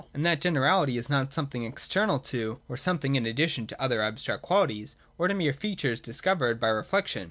And that generality is not something external to, or something in addition to other abstract qualities, or to mere features discovered by re flection.